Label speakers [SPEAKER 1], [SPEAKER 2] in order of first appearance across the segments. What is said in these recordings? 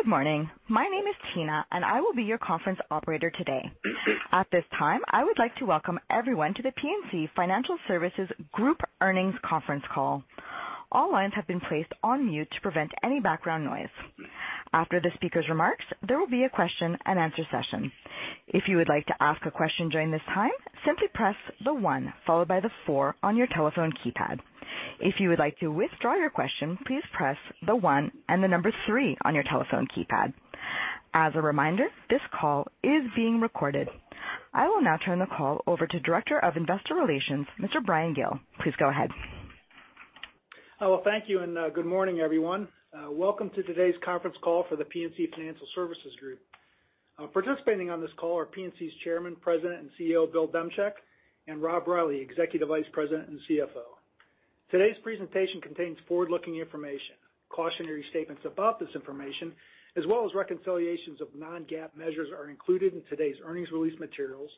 [SPEAKER 1] Good morning. My name is Tina, and I will be your conference operator today. At this time, I would like to welcome everyone to The PNC Financial Services Group earnings conference call. All lines have been placed on mute to prevent any background noise. After the speaker's remarks, there will be a question and answer session. If you would like to ask a question during this time, simply press the 1 followed by the 4 on your telephone keypad. If you would like to withdraw your question, please press the 1 and the number 3 on your telephone keypad. As a reminder, this call is being recorded. I will now turn the call over to Director of Investor Relations, Mr. Bryan Gill. Please go ahead.
[SPEAKER 2] Hello. Thank you. Good morning, everyone. Welcome to today's conference call for The PNC Financial Services Group. Participating on this call are PNC's Chairman, President, and CEO, Bill Demchak, and Rob Reilly, Executive Vice President and CFO. Today's presentation contains forward-looking information, cautionary statements about this information, as well as reconciliations of non-GAAP measures are included in today's earnings release materials,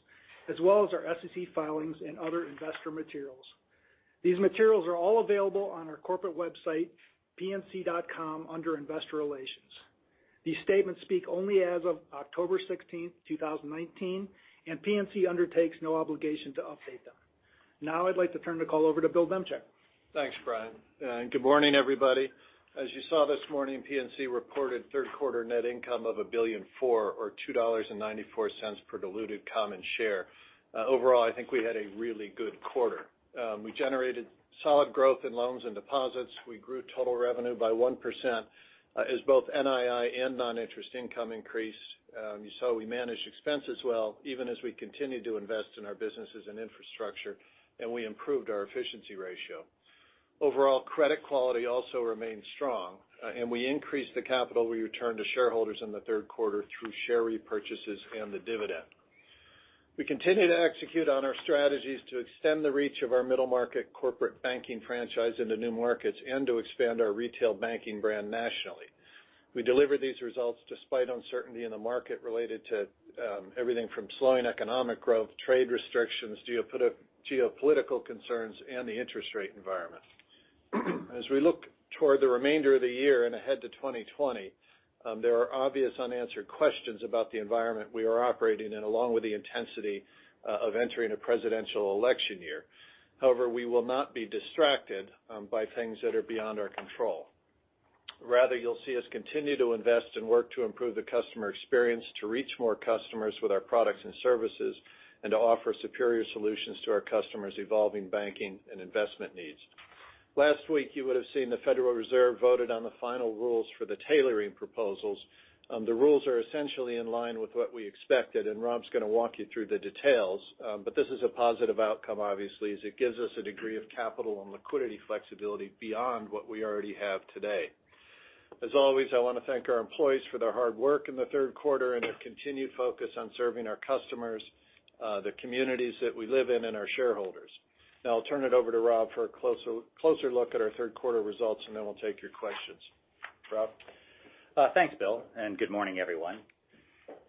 [SPEAKER 2] as well as our SEC filings and other investor materials. These materials are all available on our corporate website, pnc.com, under Investor Relations. These statements speak only as of October 16th, 2019. PNC undertakes no obligation to update them. Now I'd like to turn the call over to Bill Demchak.
[SPEAKER 3] Thanks, Bryan. Good morning, everybody. As you saw this morning, PNC reported third quarter net income of $1.4 billion or $2.94 per diluted common share. Overall, I think we had a really good quarter. We generated solid growth in loans and deposits. We grew total revenue by 1% as both NII and non-interest income increase. You saw we managed expenses well, even as we continued to invest in our businesses and infrastructure, and we improved our efficiency ratio. Overall credit quality also remains strong, and we increased the capital we returned to shareholders in the third quarter through share repurchases and the dividend. We continue to execute on our strategies to extend the reach of our middle market corporate banking franchise into new markets and to expand our retail banking brand nationally. We delivered these results despite uncertainty in the market related to everything from slowing economic growth, trade restrictions, geopolitical concerns, and the interest rate environment. As we look toward the remainder of the year and ahead to 2020, there are obvious unanswered questions about the environment we are operating in, along with the intensity of entering a presidential election year. We will not be distracted by things that are beyond our control. Rather, you'll see us continue to invest and work to improve the customer experience, to reach more customers with our products and services, and to offer superior solutions to our customers' evolving banking and investment needs. Last week, you would've seen the Federal Reserve voted on the final rules for the tailoring proposals. The rules are essentially in line with what we expected. Rob's going to walk you through the details. This is a positive outcome, obviously, as it gives us a degree of capital and liquidity flexibility beyond what we already have today. As always, I want to thank our employees for their hard work in the third quarter and their continued focus on serving our customers, the communities that we live in, and our shareholders. I'll turn it over to Rob for a closer look at our third quarter results, and then we'll take your questions. Rob?
[SPEAKER 4] Thanks, Bill, and good morning, everyone.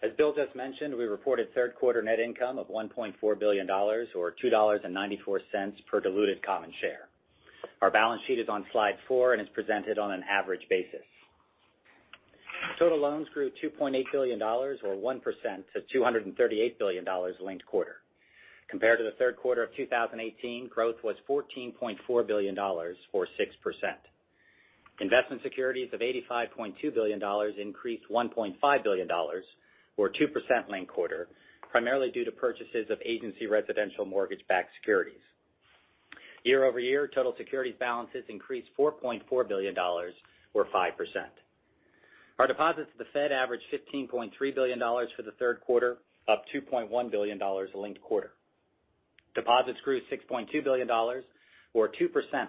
[SPEAKER 4] As Bill just mentioned, we reported third quarter net income of $1.4 billion, or $2.94 per diluted common share. Our balance sheet is on slide four and is presented on an average basis. Total loans grew $2.8 billion, or 1%, to $238 billion linked quarter. Compared to the third quarter of 2018, growth was $14.4 billion, or 6%. Investment securities of $85.2 billion increased $1.5 billion, or 2% linked quarter, primarily due to purchases of agency residential mortgage-backed securities. Year-over-year, total securities balances increased $4.4 billion or 5%. Our deposits at the Fed averaged $15.3 billion for the third quarter, up $2.1 billion linked quarter. Deposits grew $6.2 billion, or 2%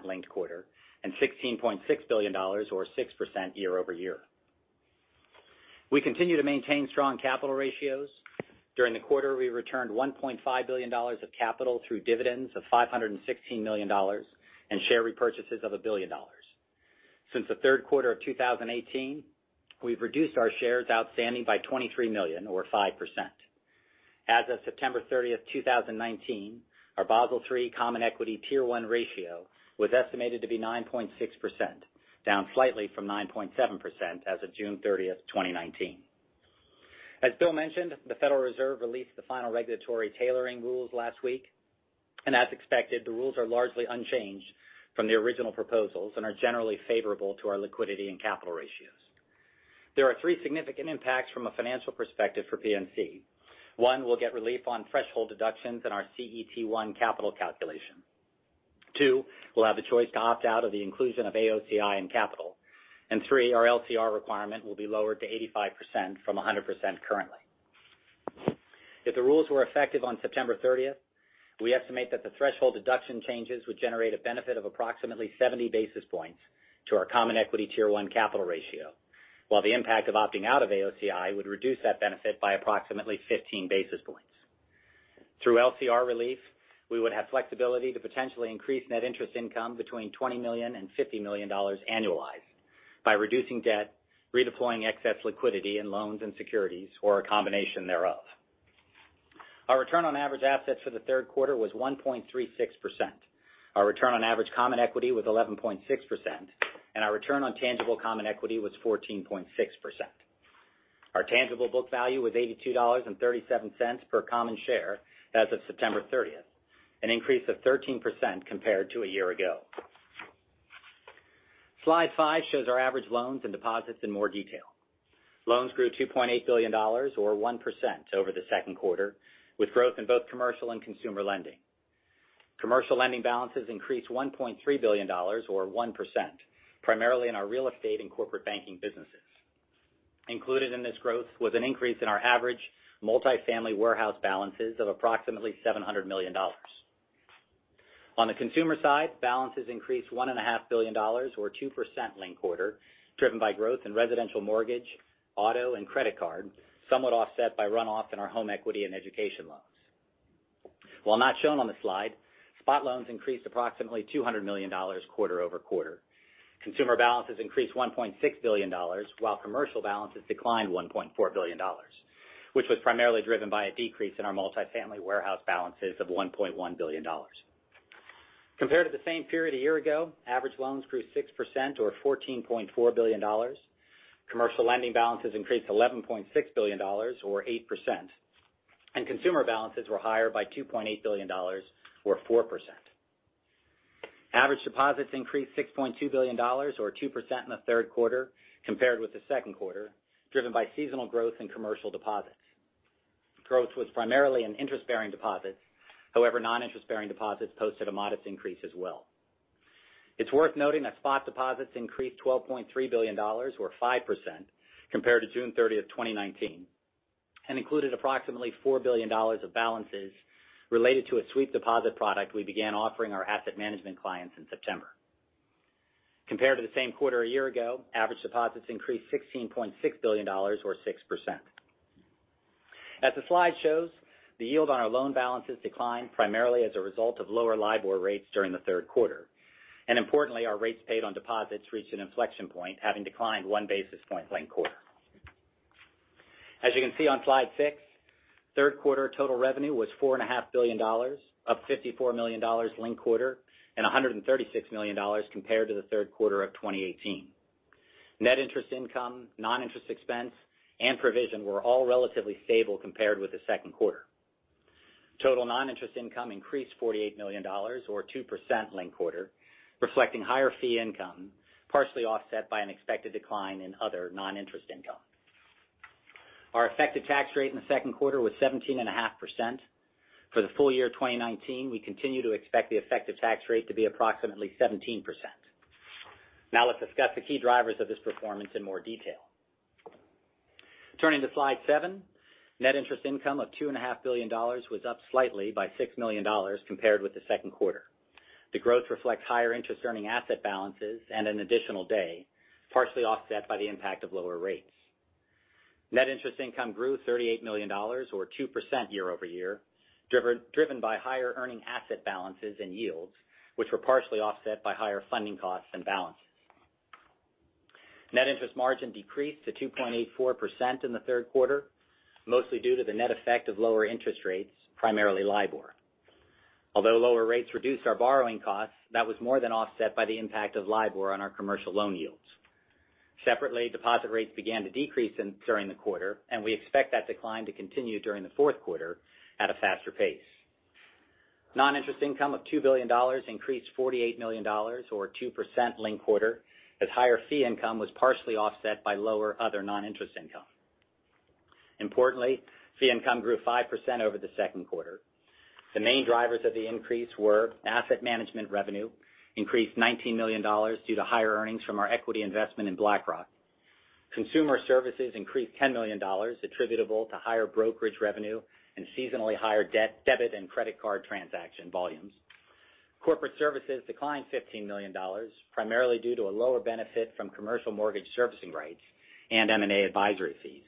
[SPEAKER 4] linked quarter, and $16.6 billion, or 6% year-over-year. We continue to maintain strong capital ratios. During the quarter, we returned $1.5 billion of capital through dividends of $516 million and share repurchases of $1 billion. Since the third quarter of 2018, we've reduced our shares outstanding by 23 million or 5%. As of September 30th, 2019, our Basel III Common Equity Tier One ratio was estimated to be 9.6%, down slightly from 9.7% as of June 30th, 2019. As Bill mentioned, the Federal Reserve released the final regulatory tailoring rules last week. As expected, the rules are largely unchanged from the original proposals and are generally favorable to our liquidity and capital ratios. There are three significant impacts from a financial perspective for PNC. One, we'll get relief on threshold deductions in our CET1 capital calculation. Two, we'll have the choice to opt out of the inclusion of AOCI in capital. Three, our LCR requirement will be lowered to 85% from 100% currently. If the rules were effective on September 30th, we estimate that the threshold deduction changes would generate a benefit of approximately 70 basis points to our Common Equity Tier One capital ratio. While the impact of opting out of AOCI would reduce that benefit by approximately 15 basis points. Through LCR relief, we would have flexibility to potentially increase net interest income between $20 million and $50 million annualized by reducing debt, redeploying excess liquidity in loans and securities, or a combination thereof. Our return on average assets for the third quarter was 1.36%. Our return on average common equity was 11.6%, and our return on tangible common equity was 14.6%. Our tangible book value was $82.37 per common share as of September 30th, an increase of 13% compared to a year ago. Slide five shows our average loans and deposits in more detail. Loans grew $2.8 billion, or 1%, over the second quarter, with growth in both commercial and consumer lending. Commercial lending balances increased $1.3 billion, or 1%, primarily in our real estate and corporate banking businesses. Included in this growth was an increase in our average multifamily warehouse balances of approximately $700 million. On the consumer side, balances increased $1.5 billion, or 2%, linked quarter, driven by growth in residential mortgage, auto, and credit card, somewhat offset by runoff in our home equity and education loans. While not shown on the slide, spot loans increased approximately $200 million quarter-over-quarter. Consumer balances increased $1.6 billion, while commercial balances declined $1.4 billion, which was primarily driven by a decrease in our multifamily warehouse balances of $1.1 billion. Compared to the same period a year ago, average loans grew 6%, or $14.4 billion, commercial lending balances increased $11.6 billion, or 8%, and consumer balances were higher by $2.8 billion, or 4%. Average deposits increased $6.2 billion, or 2%, in the third quarter compared with the second quarter, driven by seasonal growth in commercial deposits. Growth was primarily in interest-bearing deposits. However, non-interest-bearing deposits posted a modest increase as well. It's worth noting that spot deposits increased $12.3 billion, or 5%, compared to June 30th, 2019, and included approximately $4 billion of balances related to a sweep deposit product we began offering our asset management clients in September. Compared to the same quarter a year ago, average deposits increased $16.6 billion, or 6%. As the slide shows, the yield on our loan balances declined primarily as a result of lower LIBOR rates during the third quarter. Importantly, our rates paid on deposits reached an inflection point, having declined one basis point linked quarter. As you can see on slide six, third quarter total revenue was $4.5 billion, up $54 million linked quarter, and $136 million compared to the third quarter of 2018. Net interest income, non-interest expense, and provision were all relatively stable compared with the second quarter. Total non-interest income increased $48 million, or 2%, linked quarter, reflecting higher fee income, partially offset by an expected decline in other non-interest income. Our effective tax rate in the second quarter was 17.5%. For the full year 2019, we continue to expect the effective tax rate to be approximately 17%. Let's discuss the key drivers of this performance in more detail. Turning to slide seven, net interest income of $2.5 billion was up slightly by $6 million compared with the second quarter. The growth reflects higher interest-earning asset balances and an additional day, partially offset by the impact of lower rates. Net interest income grew $38 million, or 2%, year-over-year, driven by higher earning asset balances and yields, which were partially offset by higher funding costs and balances. Net interest margin decreased to 2.84% in the third quarter, mostly due to the net effect of lower interest rates, primarily LIBOR. Although lower rates reduced our borrowing costs, that was more than offset by the impact of LIBOR on our commercial loan yields. Separately, deposit rates began to decrease during the quarter, and we expect that decline to continue during the fourth quarter at a faster pace. Non-interest income of $2 billion increased $48 million, or 2%, linked-quarter, as higher fee income was partially offset by lower other non-interest income. Importantly, fee income grew 5% over the second quarter. The main drivers of the increase were asset management revenue increased $19 million due to higher earnings from our equity investment in BlackRock. Consumer services increased $10 million attributable to higher brokerage revenue and seasonally higher debit and credit card transaction volumes. Corporate services declined $15 million, primarily due to a lower benefit from commercial mortgage servicing rights and M&A advisory fees.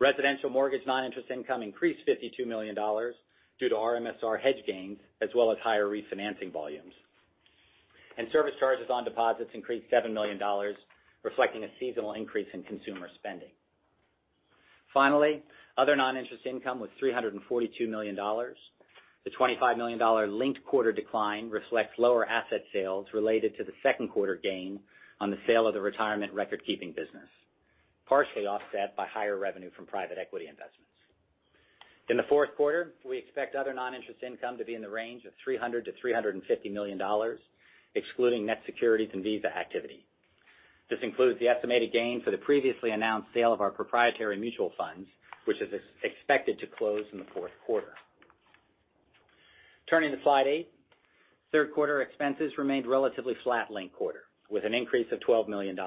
[SPEAKER 4] Residential mortgage non-interest income increased $52 million due to MSR hedge gains, as well as higher refinancing volumes. Service charges on deposits increased $7 million, reflecting a seasonal increase in consumer spending. Finally, other non-interest income was $342 million. The $25 million linked-quarter decline reflects lower asset sales related to the second quarter gain on the sale of the retirement record-keeping business, partially offset by higher revenue from private equity investments. In the fourth quarter, we expect other non-interest income to be in the range of $300 million-$350 million, excluding net securities and Visa activity. This includes the estimated gain for the previously announced sale of our proprietary mutual funds, which is expected to close in the fourth quarter. Turning to slide eight, third quarter expenses remained relatively flat linked-quarter, with an increase of $12 million.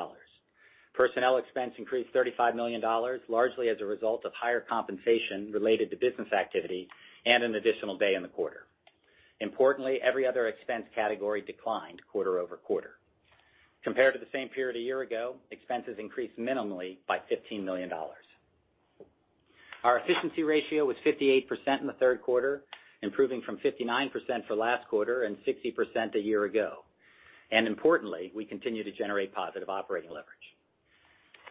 [SPEAKER 4] Personnel expense increased $35 million, largely as a result of higher compensation related to business activity and an additional day in the quarter. Importantly, every other expense category declined quarter-over-quarter. Compared to the same period a year ago, expenses increased minimally by $15 million. Our efficiency ratio was 58% in the third quarter, improving from 59% for last quarter and 60% a year ago. Importantly, we continue to generate positive operating leverage.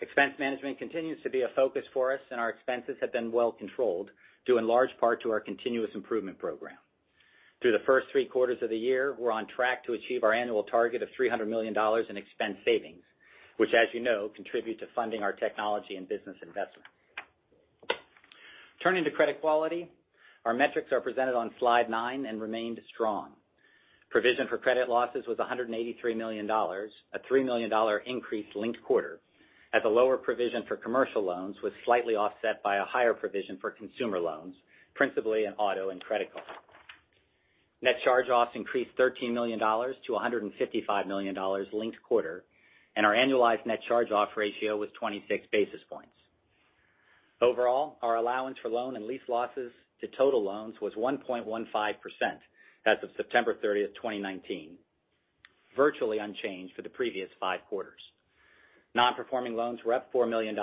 [SPEAKER 4] Expense management continues to be a focus for us, and our expenses have been well controlled due in large part to our continuous improvement program. Through the first three quarters of the year, we're on track to achieve our annual target of $300 million in expense savings, which, as you know, contributes to funding our technology and business investments. Turning to credit quality, our metrics are presented on slide nine and remained strong. Provision for credit losses was $183 million, a $3 million increase linked quarter, as a lower provision for commercial loans was slightly offset by a higher provision for consumer loans, principally in auto and credit cards. Net Charge-Offs increased $13 million to $155 million linked quarter, and our annualized Net Charge-Offs ratio was 26 basis points. Overall, our allowance for loan and lease losses to total loans was 1.15% as of September 30th, 2019, virtually unchanged for the previous five quarters. Non-performing loans were up $4 million,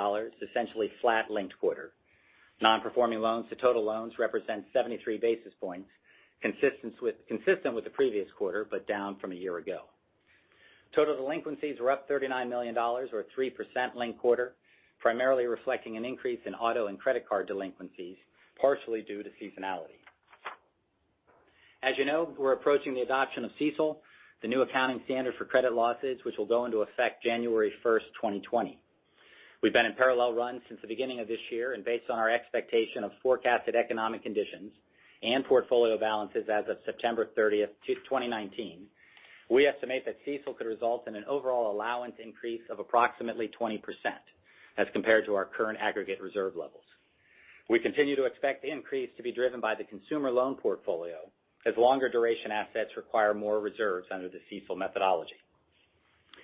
[SPEAKER 4] essentially flat linked quarter. Non-performing loans to total loans represent 73 basis points, consistent with the previous quarter, but down from a year ago. Total delinquencies were up $39 million or 3% linked quarter, primarily reflecting an increase in auto and credit card delinquencies, partially due to seasonality. As you know, we're approaching the adoption of CECL, the new accounting standard for credit losses, which will go into effect January 1st, 2020. Based on our expectation of forecasted economic conditions and portfolio balances as of September 30th, 2019, we estimate that CECL could result in an overall allowance increase of approximately 20% as compared to our current aggregate reserve levels. We continue to expect the increase to be driven by the consumer loan portfolio, as longer duration assets require more reserves under the CECL methodology.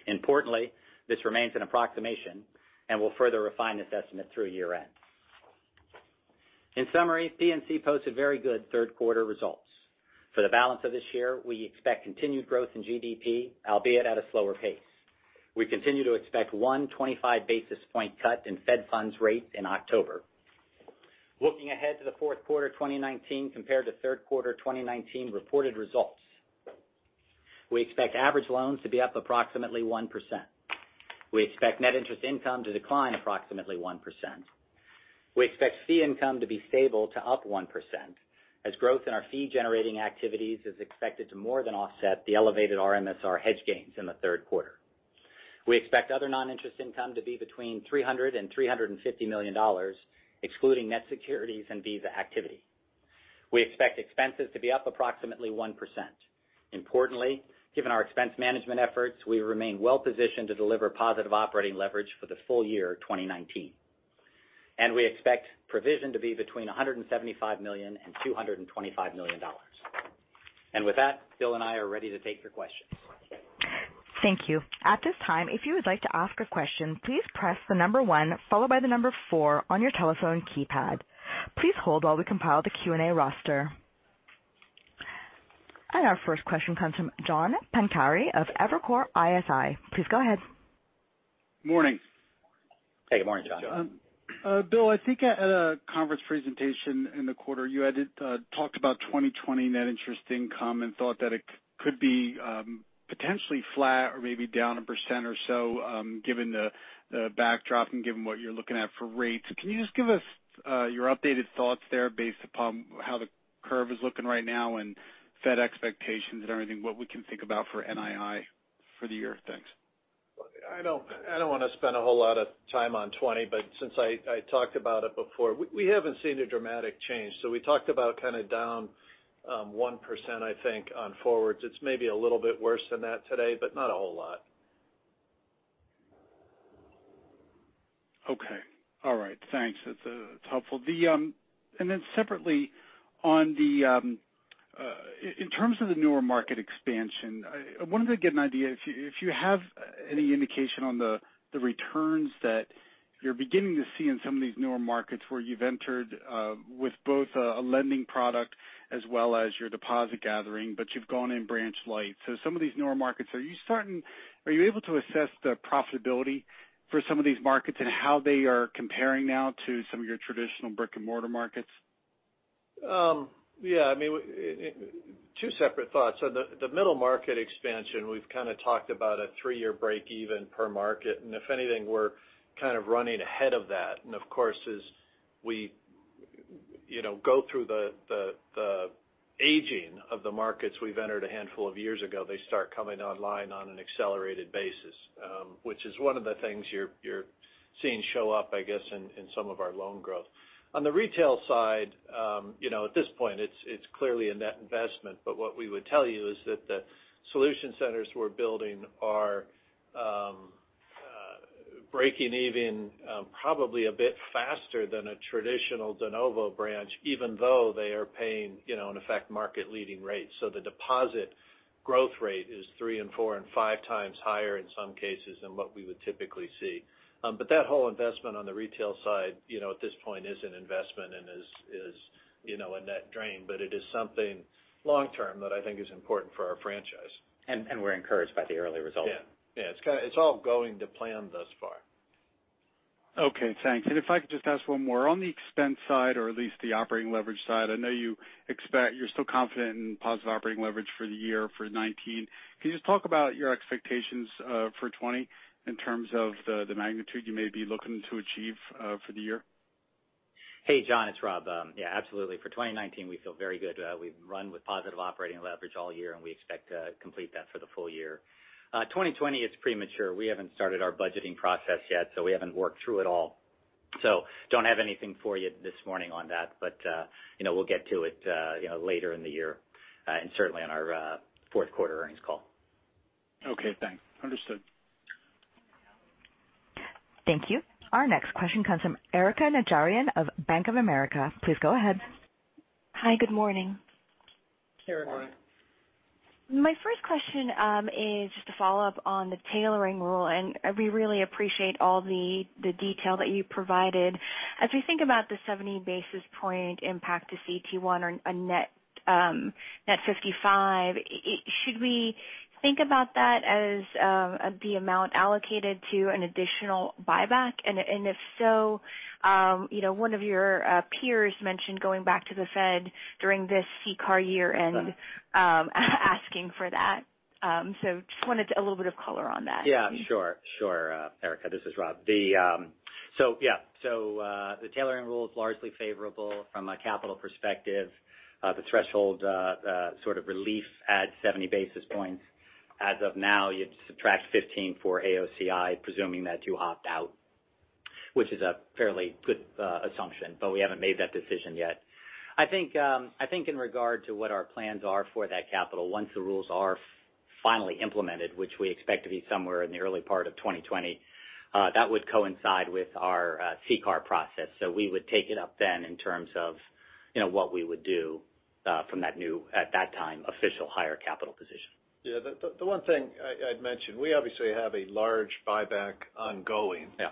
[SPEAKER 4] Importantly, this remains an approximation, we'll further refine this estimate through year-end. In summary, PNC posted very good third-quarter results. For the balance of this year, we expect continued growth in GDP, albeit at a slower pace. We continue to expect one 25-basis-point cut in Fed funds rate in October. Looking ahead to the fourth quarter 2019 compared to third quarter 2019 reported results, we expect average loans to be up approximately 1%. We expect net interest income to decline approximately 1%. We expect fee income to be stable to up 1%, as growth in our fee-generating activities is expected to more than offset the elevated MSR hedge gains in the third quarter. We expect other non-interest income to be between $300 million and $350 million, excluding net securities and Visa activity. We expect expenses to be up approximately 1%. Importantly, given our expense management efforts, we remain well-positioned to deliver positive operating leverage for the full year 2019. We expect provision to be between $175 million and $225 million. With that, Bill and I are ready to take your questions.
[SPEAKER 1] Thank you. At this time, if you would like to ask a question, please press the number one followed by the number four on your telephone keypad. Please hold while we compile the Q&A roster. And our first question comes from John Pancari of Evercore ISI. Please go ahead.
[SPEAKER 5] Morning.
[SPEAKER 4] Hey, good morning, John.
[SPEAKER 5] Bill, I think at a conference presentation in the quarter you had talked about 2020 net interest income and thought that it could be potentially flat or maybe down 1% or so, given the backdrop and given what you're looking at for rates. Can you just give us your updated thoughts there based upon how the curve is looking right now and Fed expectations and everything, what we can think about for NII for the year? Thanks.
[SPEAKER 3] I don't want to spend a whole lot of time on 2020, but since I talked about it before, we haven't seen a dramatic change. We talked about kind of down 1%, I think, on forwards. It's maybe a little bit worse than that today, but not a whole lot.
[SPEAKER 5] Okay. All right. Thanks. That's helpful. Separately, in terms of the newer market expansion, I wanted to get an idea if you have any indication on the returns that you're beginning to see in some of these newer markets where you've entered with both a lending product as well as your deposit gathering, but you've gone in branch light. Some of these newer markets, are you able to assess the profitability for some of these markets and how they are comparing now to some of your traditional brick-and-mortar markets?
[SPEAKER 3] Yeah. Two separate thoughts. The middle market expansion, we've kind of talked about a three-year break even per market. If anything, we're kind of running ahead of that. Of course, as we go through the aging of the markets we've entered a handful of years ago, they start coming online on an accelerated basis, which is one of the things you're seeing show up, I guess, in some of our loan growth. On the retail side, at this point it's clearly a net investment. What we would tell you is that the solution centers we're building are breaking even probably a bit faster than a traditional de novo branch, even though they are paying in effect market leading rates. The deposit growth rate is three and four and five times higher in some cases than what we would typically see. That whole investment on the retail side at this point is an investment and is a net drain, but it is something long term that I think is important for our franchise.
[SPEAKER 4] We're encouraged by the early results.
[SPEAKER 3] Yeah. It's all going to plan thus far.
[SPEAKER 5] Okay, thanks. If I could just ask one more. On the expense side, or at least the operating leverage side, I know you're still confident in positive operating leverage for the year for 2019. Can you just talk about your expectations for 2020 in terms of the magnitude you may be looking to achieve for the year?
[SPEAKER 4] Hey, John, it's Rob. Yeah, absolutely. For 2019, we feel very good. We've run with positive operating leverage all year, and we expect to complete that for the full year. 2020 is premature. We haven't started our budgeting process yet, so we haven't worked through it all. Don't have anything for you this morning on that. We'll get to it later in the year, and certainly on our fourth quarter earnings call.
[SPEAKER 5] Okay, thanks. Understood.
[SPEAKER 1] Thank you. Our next question comes from Erika Najarian of Bank of America. Please go ahead.
[SPEAKER 6] Hi, good morning.
[SPEAKER 3] Good morning.
[SPEAKER 6] My first question is just a follow-up on the tailoring rule, and we really appreciate all the detail that you provided. As we think about the 70 basis point impact to CET1 on net 55, should we think about that as the amount allocated to an additional buyback? If so, one of your peers mentioned going back to the Fed during this CCAR year-end.
[SPEAKER 4] Okay
[SPEAKER 6] asking for that. Just wanted a little bit of color on that.
[SPEAKER 4] Yeah, sure. Erika, this is Rob. Yeah. The tailoring rule is largely favorable from a capital perspective. The threshold sort of relief adds 70 basis points. As of now, you'd subtract 15 for AOCI, presuming that you opt-out, which is a fairly good assumption, but we haven't made that decision yet. I think in regard to what our plans are for that capital, once the rules are finally implemented, which we expect to be somewhere in the early part of 2020, that would coincide with our CCAR process. We would take it up then in terms of what we would do from that new, at that time, official higher capital position.
[SPEAKER 3] Yeah. The one thing I'd mention, we obviously have a large buyback ongoing.
[SPEAKER 4] Yeah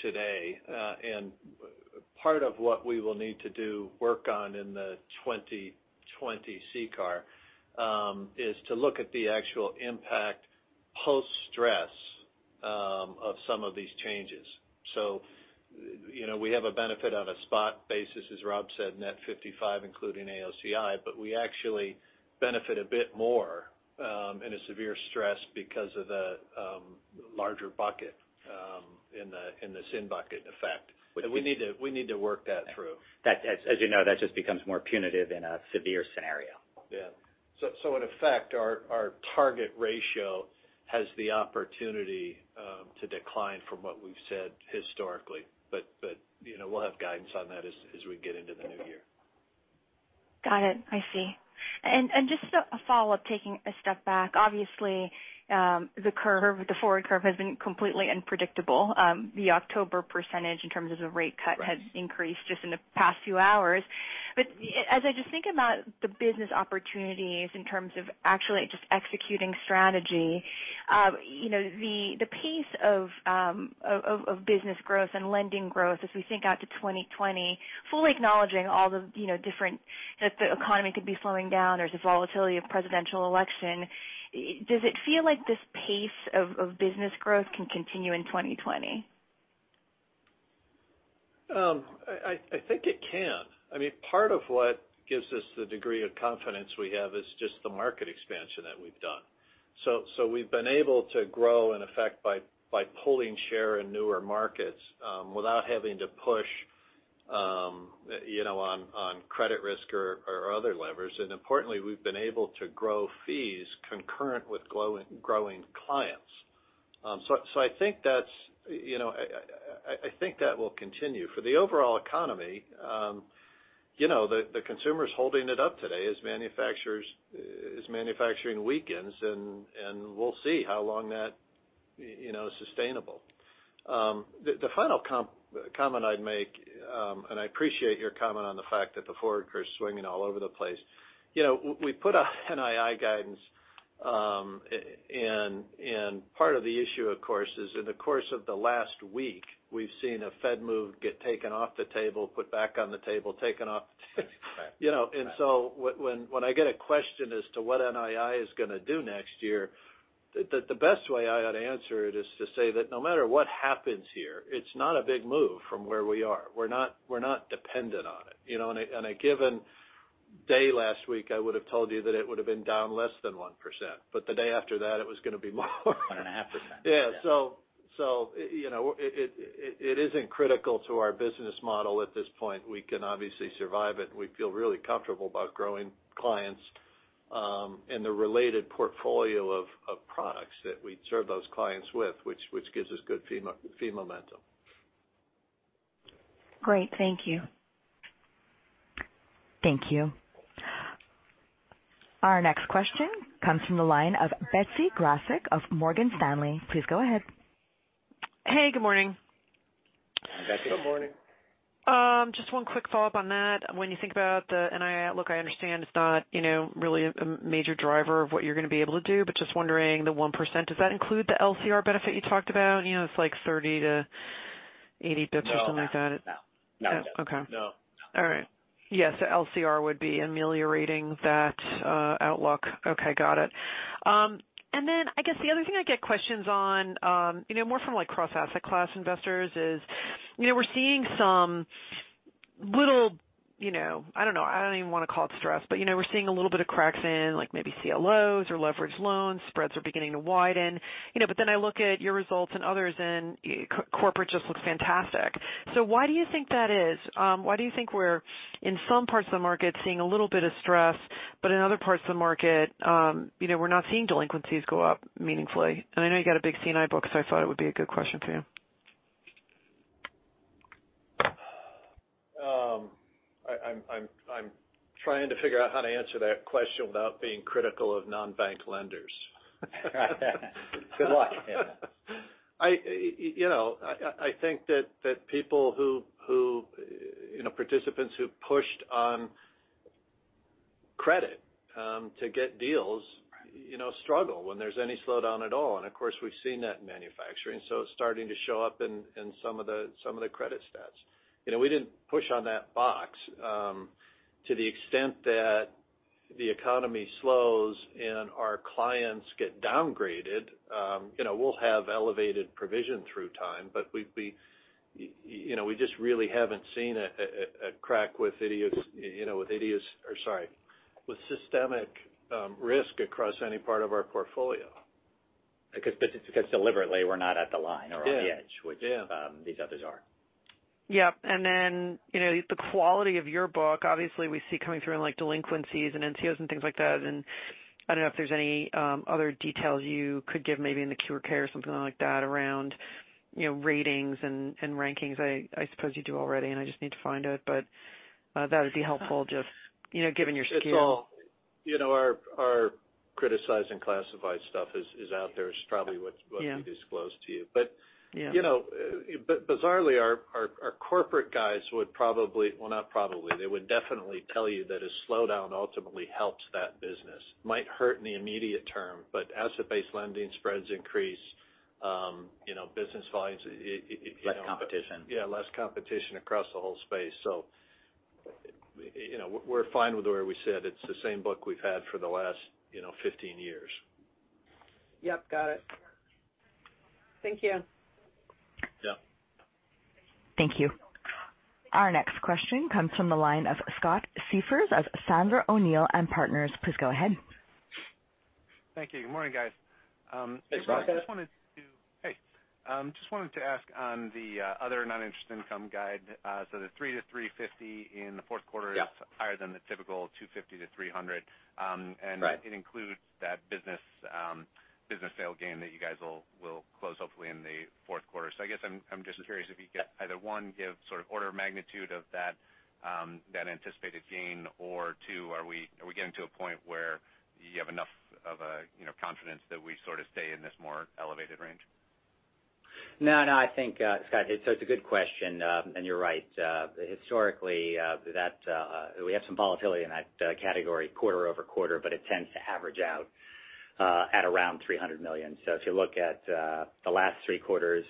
[SPEAKER 3] today. Part of what we will need to do work on in the 2020 CCAR, is to look at the actual impact post-stress of some of these changes. We have a benefit on a spot basis, as Rob said, net $55 including AOCI, but we actually benefit a bit more in a severe stress because of the larger bucket in the SIN bucket effect. We need to work that through.
[SPEAKER 4] As you know, that just becomes more punitive in a severe scenario.
[SPEAKER 3] Yeah. In effect, our target ratio has the opportunity to decline from what we've said historically. We'll have guidance on that as we get into the new year.
[SPEAKER 6] Got it. I see. Just a follow-up, taking a step back. Obviously, the forward curve has been completely unpredictable. The October % in terms of the rate cut has increased just in the past few hours. As I just think about the business opportunities in terms of actually just executing strategy, the pace of business growth and lending growth as we think out to 2020, fully acknowledging all the different, that the economy could be slowing down, there's a volatility of presidential election. Does it feel like this pace of business growth can continue in 2020?
[SPEAKER 3] I think it can. Part of what gives us the degree of confidence we have is just the market expansion that we've done. We've been able to grow in effect by pulling share in newer markets without having to push on credit risk or other levers. Importantly, we've been able to grow fees concurrent with growing clients. I think that will continue. For the overall economy, the consumer's holding it up today as manufacturing weakens, and we'll see how long that is sustainable. The final comment I'd make, and I appreciate your comment on the fact that the forward curve's swinging all over the place. We put a NII guidance, and part of the issue, of course, is in the course of the last week, we've seen a Fed move get taken off the table, put back on the table, taken off the table.
[SPEAKER 4] Right.
[SPEAKER 3] When I get a question as to what NII is going to do next year, the best way I ought to answer it is to say that no matter what happens here, it's not a big move from where we are. We're not dependent on it. On a given day last week, I would've told you that it would've been down less than 1%. The day after that, it was going to be more.
[SPEAKER 4] One and a half %.
[SPEAKER 3] Yeah. It isn't critical to our business model at this point. We can obviously survive it, and we feel really comfortable about growing clients and the related portfolio of products that we serve those clients with, which gives us good fee momentum.
[SPEAKER 6] Great. Thank you.
[SPEAKER 1] Thank you. Our next question comes from the line of Betsy Graseck of Morgan Stanley. Please go ahead.
[SPEAKER 7] Hey, good morning.
[SPEAKER 4] Hi, Betsy.
[SPEAKER 3] Good morning.
[SPEAKER 7] Just one quick follow-up on that. When you think about the NII outlook, I understand it's not really a major driver of what you're going to be able to do, but just wondering, the 1%, does that include the LCR benefit you talked about? It's like 30-80 basis points or something like that.
[SPEAKER 4] No.
[SPEAKER 3] No.
[SPEAKER 7] Okay.
[SPEAKER 4] No.
[SPEAKER 7] All right. Yes, the LCR would be ameliorating that outlook. Okay, got it. I guess the other thing I get questions on, more from cross-asset class investors is we're seeing some little, I don't know, I don't even want to call it stress, but we're seeing a little bit of cracks in maybe CLOs or leverage loans. Spreads are beginning to widen. I look at your results and others and corporate just looks fantastic. Why do you think that is? Why do you think we're, in some parts of the market, seeing a little bit of stress, but in other parts of the market we're not seeing delinquencies go up meaningfully? I know you got a big C&I book, so I thought it would be a good question for you.
[SPEAKER 3] I'm trying to figure out how to answer that question without being critical of non-bank lenders.
[SPEAKER 4] Good luck.
[SPEAKER 3] I think that participants who pushed on credit to get deals struggle when there's any slowdown at all. Of course, we've seen that in manufacturing. It's starting to show up in some of the credit stats. We didn't push on that box. To the extent that the economy slows and our clients get downgraded, we'll have elevated provision through time. We just really haven't seen a crack with idiots or, sorry, with systemic risk across any part of our portfolio.
[SPEAKER 4] Because deliberately, we're not at the line or on the edge.
[SPEAKER 3] Yeah
[SPEAKER 4] which these others are.
[SPEAKER 7] Yeah. The quality of your book, obviously, we see coming through in delinquencies and NCOs and things like that. I don't know if there's any other details you could give maybe in the cure care or something like that around ratings and rankings. I suppose you do already, and I just need to find it, but that would be helpful just given your skew.
[SPEAKER 3] It's all our criticized and classified stuff is out there is probably what.
[SPEAKER 7] Yeah
[SPEAKER 3] we disclose to you.
[SPEAKER 7] Yeah.
[SPEAKER 3] Bizarrely, our corporate guys would probably, well, not probably, they would definitely tell you that a slowdown ultimately helps that business. Might hurt in the immediate term, asset-based lending spreads increase business volumes.
[SPEAKER 4] Less competition.
[SPEAKER 3] Yeah, less competition across the whole space. We're fine with where we sit. It's the same book we've had for the last 15 years.
[SPEAKER 7] Yep, got it. Thank you.
[SPEAKER 3] Yeah.
[SPEAKER 1] Thank you. Our next question comes from the line of Scott Siefers of Sandler O'Neill & Partners. Please go ahead.
[SPEAKER 8] Thank you. Good morning, guys.
[SPEAKER 3] Hey, Scott.
[SPEAKER 8] Hey. Just wanted to ask on the other non-interest income guide. The $300-$350 in the fourth quarter.
[SPEAKER 3] Yeah
[SPEAKER 8] is higher than the typical $250-$300.
[SPEAKER 3] Right.
[SPEAKER 8] It includes that business sale gain that you guys will close hopefully in the fourth quarter. I guess I'm just curious if you could either, one, give sort of order of magnitude of that anticipated gain or two, are we getting to a point where you have enough of a confidence that we sort of stay in this more elevated range?
[SPEAKER 4] No, I think, Scott, it's a good question. You're right. Historically, we have some volatility in that category quarter-over-quarter, but it tends to average out at around $300 million. If you look at the last three quarters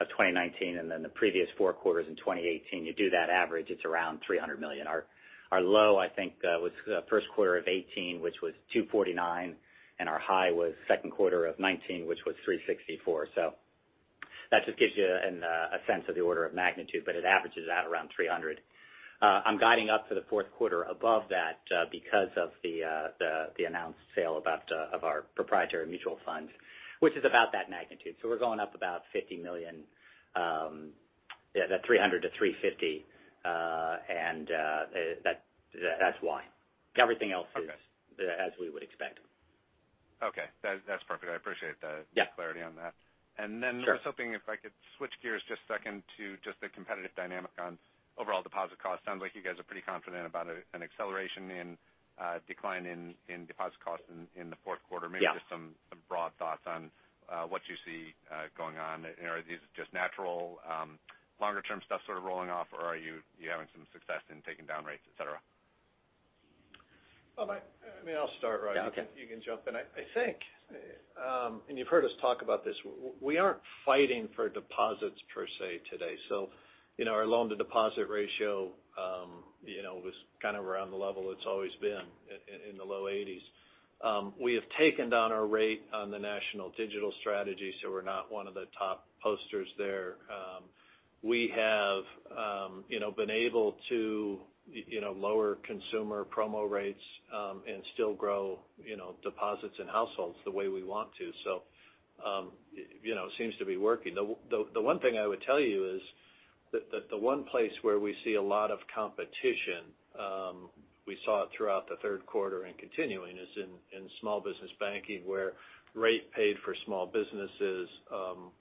[SPEAKER 4] of 2019 and then the previous four quarters in 2018, you do that average, it's around $300 million. Our low, I think was the first quarter of 2018, which was $249, and our high was second quarter of 2019, which was $364. That just gives you a sense of the order of magnitude, but it averages out around $300. I'm guiding up for the fourth quarter above that because of the announced sale of our proprietary mutual fund, which is about that magnitude. We're going up about $50 million, the $300-$350, that's why.
[SPEAKER 8] Okay
[SPEAKER 4] as we would expect.
[SPEAKER 8] Okay. That's perfect. I appreciate the-
[SPEAKER 4] Yeah
[SPEAKER 8] clarity on that.
[SPEAKER 4] Sure.
[SPEAKER 8] I was hoping if I could switch gears just a second to just the competitive dynamic on overall deposit costs. Sounds like you guys are pretty confident about an acceleration in decline in deposit costs in the fourth quarter.
[SPEAKER 4] Yeah.
[SPEAKER 8] Maybe just some broad thoughts on what you see going on. Are these just natural longer-term stuff sort of rolling off, or are you having some success in taking down rates, et cetera?
[SPEAKER 3] I'll start, Rob.
[SPEAKER 4] Yeah, okay.
[SPEAKER 3] You can jump in. I think, and you've heard us talk about this, we aren't fighting for deposits per se today. Our loan to deposit ratio was kind of around the level it's always been in the low 80s. We have taken down our rate on the national digital strategy, we're not one of the top posters there. We have been able to lower consumer promo rates and still grow deposits in households the way we want to. It seems to be working. The one thing I would tell you is that the one place where we see a lot of competition, we saw it throughout the third quarter and continuing is in small business banking where rate paid for small businesses,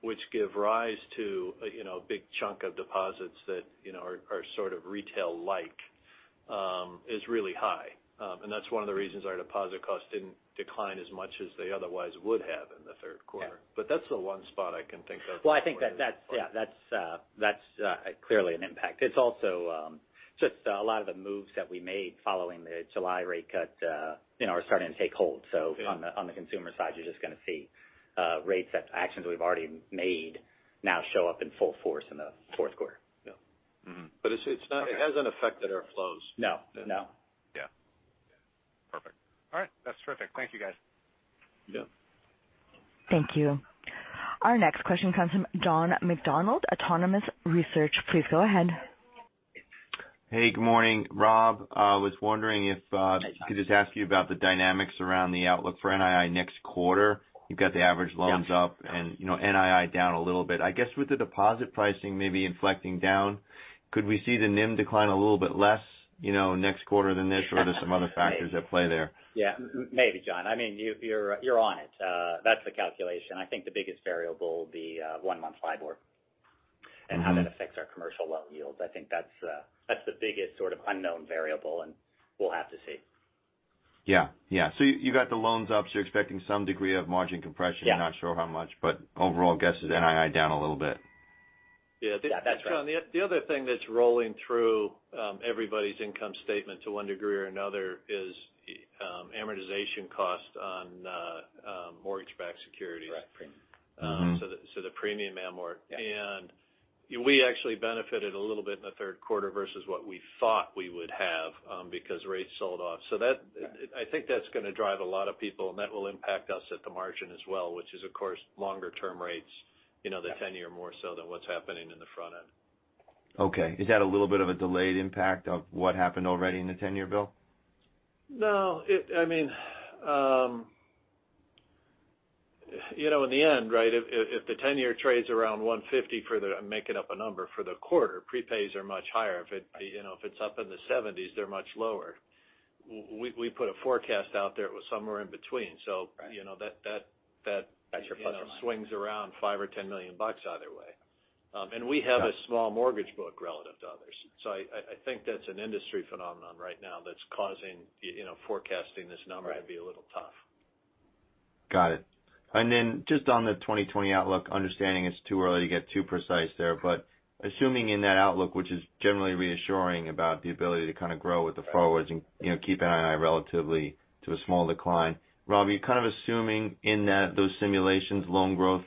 [SPEAKER 3] which give rise to a big chunk of deposits that are sort of retail-like, is really high. That's one of the reasons our deposit costs didn't decline as much as they otherwise would have in the third quarter.
[SPEAKER 4] Yeah.
[SPEAKER 3] That's the one spot I can think of.
[SPEAKER 4] Well, I think that's clearly an impact. It's also just a lot of the moves that we made following the July rate cut are starting to take hold.
[SPEAKER 3] Yeah.
[SPEAKER 4] On the consumer side, you're just going to see rates that actions we've already made now show up in full force in the fourth quarter.
[SPEAKER 3] Yeah. It hasn't affected our flows.
[SPEAKER 4] No.
[SPEAKER 3] Yeah. That's terrific. Thank you, guys.
[SPEAKER 4] Yeah.
[SPEAKER 1] Thank you. Our next question comes from John McDonald, Autonomous Research. Please go ahead.
[SPEAKER 9] Hey, good morning. Rob, I was wondering.
[SPEAKER 4] Hey, John.
[SPEAKER 9] could just ask you about the dynamics around the outlook for NII next quarter. You've got the average loans up-
[SPEAKER 4] Yeah
[SPEAKER 9] NII down a little bit. I guess with the deposit pricing maybe inflecting down, could we see the NIM decline a little bit less, next quarter than this? Are there some other factors at play there?
[SPEAKER 4] Yeah. Maybe, John. You're on it. That's the calculation. I think the biggest variable will be one-month LIBOR and how that affects our commercial loan yields. I think that's the biggest sort of unknown variable, and we'll have to see.
[SPEAKER 9] Yeah. You got the loans up, so you're expecting some degree of margin compression.
[SPEAKER 4] Yeah.
[SPEAKER 9] You're not sure how much, but overall guess is NII down a little bit.
[SPEAKER 4] Yeah. That's right.
[SPEAKER 3] John, the other thing that's rolling through everybody's income statement to one degree or another is amortization cost on mortgage-backed securities.
[SPEAKER 4] Correct.
[SPEAKER 3] The premium amortization.
[SPEAKER 4] Yeah.
[SPEAKER 3] We actually benefited a little bit in the third quarter versus what we thought we would have because rates sold off. I think that's going to drive a lot of people, and that will impact us at the margin as well, which is, of course, longer-term rates. The 10-year more so than what's happening in the front end.
[SPEAKER 9] Okay. Is that a little bit of a delayed impact of what happened already in the 10-year, Bill?
[SPEAKER 3] No. In the end, if the 10-year trades around 150, I'm making up a number, for the quarter, prepays are much higher. If it's up in the 70s, they're much lower. We put a forecast out there that was somewhere in between.
[SPEAKER 4] Right.
[SPEAKER 3] That-
[SPEAKER 4] That's your flexible line.
[SPEAKER 3] swings around $5 or $10 million either way. We have a small mortgage book relative to others. I think that's an industry phenomenon right now that's causing forecasting this number.
[SPEAKER 4] Right
[SPEAKER 3] to be a little tough.
[SPEAKER 9] Got it. Just on the 2020 outlook, understanding it's too early to get too precise there, but assuming in that outlook, which is generally reassuring about the ability to kind of grow with the forwards and keep NII relatively to a small decline. Rob, you're kind of assuming in those simulations, loan growth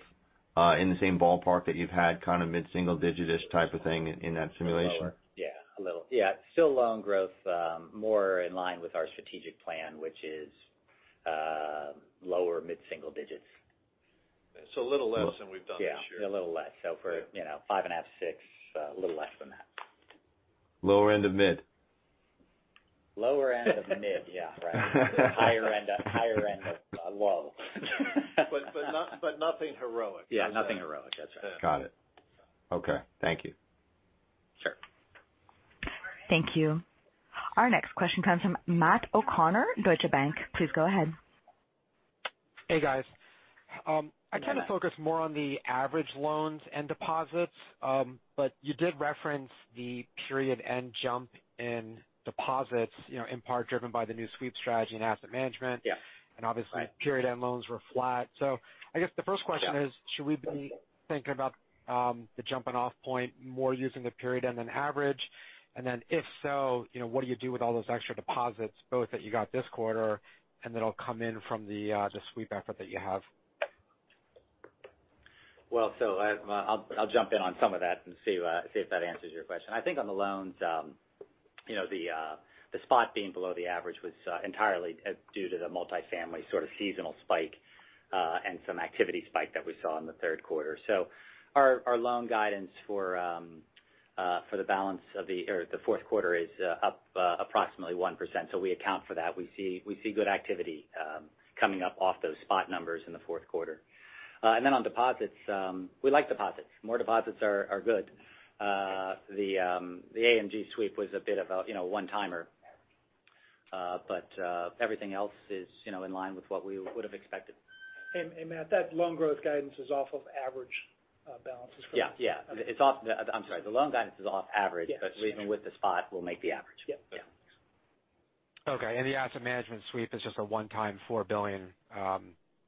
[SPEAKER 9] in the same ballpark that you've had kind of mid-single digits type of thing in that simulation?
[SPEAKER 4] Lower. Yeah, a little. Still loan growth more in line with our strategic plan, which is lower mid-single digits.
[SPEAKER 3] A little less than we've done this year.
[SPEAKER 4] Yeah. A little less. For five and a half, six, a little less than that.
[SPEAKER 9] Lower end of mid.
[SPEAKER 4] Lower end of mid. Yeah, right. Higher end of low.
[SPEAKER 3] Nothing heroic.
[SPEAKER 4] Yeah, nothing heroic. That's right.
[SPEAKER 9] Got it. Okay. Thank you.
[SPEAKER 4] Sure.
[SPEAKER 1] Thank you. Our next question comes from Matt O'Connor, Deutsche Bank. Please go ahead.
[SPEAKER 10] Hey, guys.
[SPEAKER 4] Hi, Matt.
[SPEAKER 10] I kind of focus more on the average loans and deposits. You did reference the period-end jump in deposits, in part driven by the new sweep strategy and asset management.
[SPEAKER 4] Yeah.
[SPEAKER 10] And obviously-
[SPEAKER 4] Right
[SPEAKER 10] period-end loans were flat. I guess the first question is, should we be thinking about the jumping off point more using the period end than average? If so, what do you do with all those extra deposits, both that you got this quarter and that'll come in from the sweep effort that you have?
[SPEAKER 4] I'll jump in on some of that and see if that answers your question. I think on the loans, the spot being below the average was entirely due to the multifamily sort of seasonal spike and some activity spike that we saw in the third quarter. Our loan guidance for the fourth quarter is up approximately 1%. We account for that. We see good activity coming up off those spot numbers in the fourth quarter. On deposits, we like deposits. More deposits are good. The AMG sweep was a bit of a one-timer. Everything else is in line with what we would've expected.
[SPEAKER 2] Hey, Matt, that loan growth guidance is off of average balances.
[SPEAKER 4] Yeah. I'm sorry. The loan guidance is off average-
[SPEAKER 2] Yes
[SPEAKER 4] Leaving with the spot will make the average.
[SPEAKER 2] Yeah.
[SPEAKER 4] Yeah.
[SPEAKER 10] Okay. The asset management sweep is just a one-time $4 billion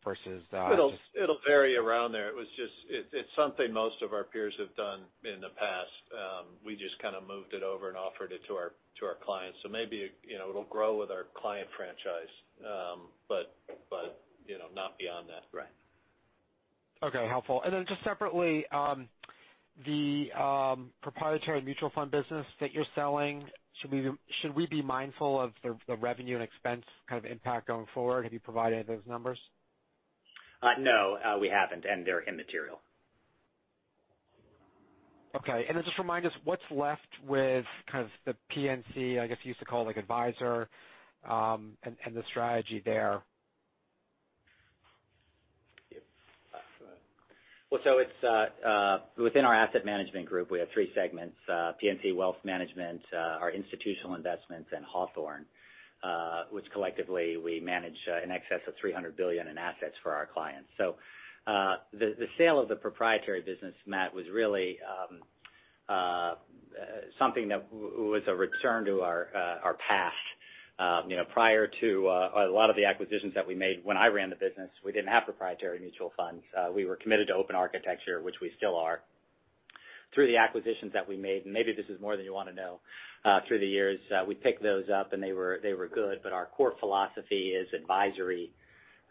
[SPEAKER 10] versus
[SPEAKER 3] It'll vary around there. It's something most of our peers have done in the past. We just kind of moved it over and offered it to our clients. Maybe it'll grow with our client franchise. Not beyond that.
[SPEAKER 4] Right.
[SPEAKER 10] Okay. Helpful. Then just separately, the proprietary mutual fund business that you're selling, should we be mindful of the revenue and expense kind of impact going forward? Have you provided those numbers?
[SPEAKER 4] No, we haven't, and they're immaterial.
[SPEAKER 10] Okay. Just remind us what's left with kind of the PNC, I guess you used to call, like, advisor, and the strategy there?
[SPEAKER 4] Within our Asset Management Group, we have three segments, PNC Wealth Management, our institutional investments, and Hawthorn, which collectively we manage in excess of $300 billion in assets for our clients. The sale of the proprietary business, Matt, was really something that was a return to our past. Prior to a lot of the acquisitions that we made when I ran the business, we didn't have proprietary mutual funds. We were committed to open architecture, which we still are. Through the acquisitions that we made, and maybe this is more than you want to know, through the years, we picked those up, and they were good, but our core philosophy is advisory,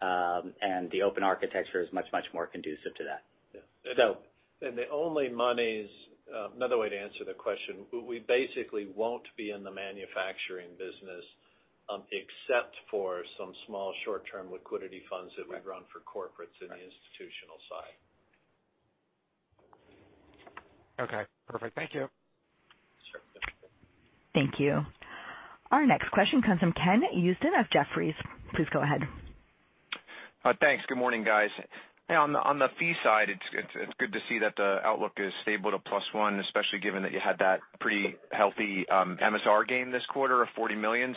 [SPEAKER 4] and the open architecture is much, much more conducive to that.
[SPEAKER 3] Yeah. Another way to answer the question, we basically won't be in the manufacturing business except for some small short-term liquidity funds that we run for corporates in the institutional side.
[SPEAKER 10] Okay, perfect. Thank you.
[SPEAKER 3] Sure.
[SPEAKER 1] Thank you. Our next question comes from Ken Usdin of Jefferies. Please go ahead.
[SPEAKER 11] Thanks. Good morning, guys. On the fee side, it's good to see that the outlook is stable to plus one, especially given that you had that pretty healthy MSR gain this quarter of $40 million.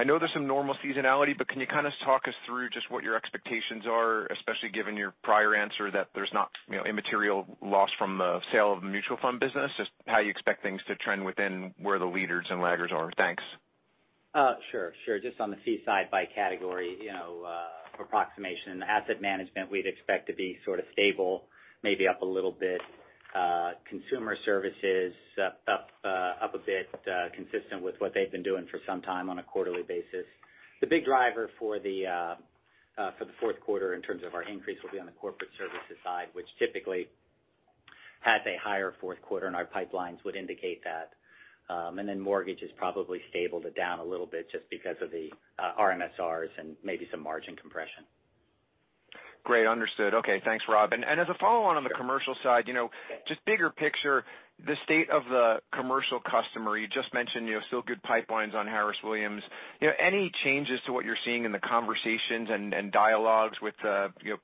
[SPEAKER 11] I know there's some normal seasonality, but can you kind of talk us through just what your expectations are, especially given your prior answer that there's no immaterial loss from the sale of the mutual fund business, just how you expect things to trend within where the leaders and laggards are? Thanks.
[SPEAKER 4] Sure. Just on the fee side by category, for approximation, asset management, we'd expect to be sort of stable, maybe up a little bit. Consumer services up a bit, consistent with what they've been doing for some time on a quarterly basis. The big driver for the fourth quarter in terms of our increase will be on the corporate services side, which typically has a higher fourth quarter. Our pipelines would indicate that. Mortgage is probably stable to down a little bit just because of the MSRs and maybe some margin compression.
[SPEAKER 11] Great. Understood. Okay. Thanks, Rob. As a follow-on on the commercial side. Just bigger picture, the state of the commercial customer. You just mentioned still good pipelines on Harris Williams. Any changes to what you're seeing in the conversations and dialogues with